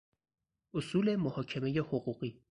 اصول محاکمه حقوقی